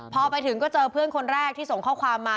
พอไปถึงก็เจอเพื่อนคนแรกที่ส่งข้อความมา